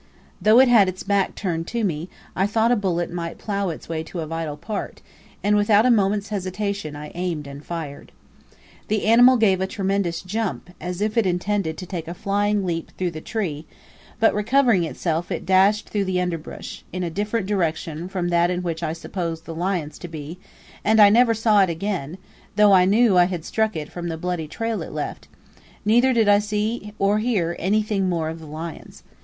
Though it had its back turned to me, I thought a bullet might plough its way to a vital part, and without a moment's hesitation I aimed and fired. The animal gave a tremendous jump, as if it intended to take a flying leap through the tree; but recovering itself it dashed through the underbrush in a different direction from that in which I supposed the lions to be, and I never saw it again, though I knew I had struck it from the bloody trail it left; neither did I see nor hear anything more of the lions.